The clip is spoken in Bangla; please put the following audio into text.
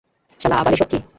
শালা আবাল, এসব কি?